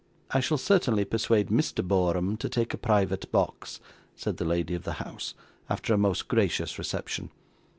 'I shall certainly persuade Mr. Borum to take a private box,' said the lady of the house, after a most gracious reception.